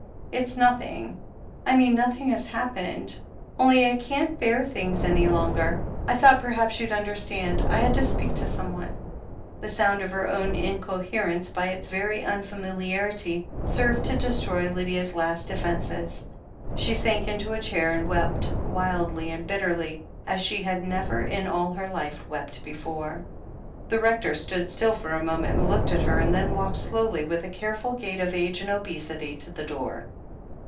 It's nothing — I mean nothing has happened, only I can't bear things any longer — I thought perhaps you'd understand — I had to speak to someone " The sound of her own incoherence, by its very un f amiliarity, served to destroy Lydia's last defences. She sank into a chair and wept wildly and bitterly as she had never in all her life wept before. The Rector stood still for a moment and looked at her, then walked slowly, with the careful gait of age and obesity, to the door.